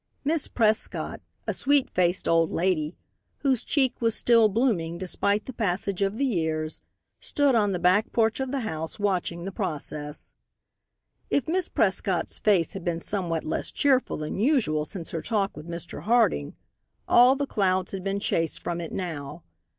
Miss Prescott, a sweet faced old lady, whose cheek was still blooming despite the passage of the years, stood on the back porch of the house watching the process. If Miss Prescott's face had been somewhat less cheerful than usual since her talk with Mr. Harding, all the clouds had been chased from it now.